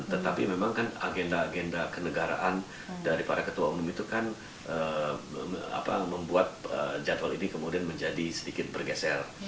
tetapi memang kan agenda agenda kenegaraan dari para ketua umum itu kan membuat jadwal ini kemudian menjadi sedikit bergeser